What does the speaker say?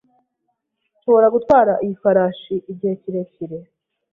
Nshobora gutwara iyi farashi igihe kirekire?